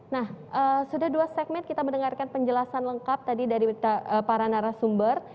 nah sudah dua segmen kita mendengarkan penjelasan lengkap tadi dari para narasumber